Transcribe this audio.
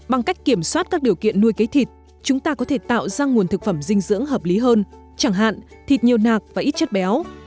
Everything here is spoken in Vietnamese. bằng cách kiểm soát các điều kiện nuôi cấy thịt chúng ta có thể tạo ra nguồn thực phẩm dinh dưỡng hợp lý hơn chẳng hạn thịt nhiều nạc và ít chất béo